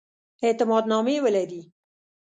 اعتماد نامې ولري.